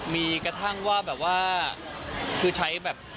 มีกระทั่งว่าแบบว่าคือใช้แบบ